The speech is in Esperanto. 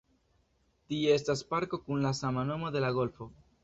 Tie estas parko kun la sama nomo de la golfo.